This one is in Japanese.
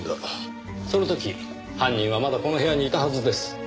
その時犯人はまだこの部屋にいたはずです。